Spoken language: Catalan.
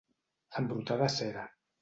Embrutar de cera.